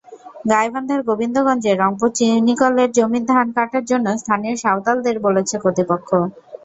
গাইবান্ধার গোবিন্দগঞ্জে রংপুর চিনিকলের জমির ধান কাটার জন্য স্থানীয় সাঁওতালদের বলেছে কর্তৃপক্ষ।